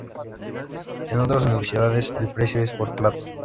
En otras universidades, el precio es por plato.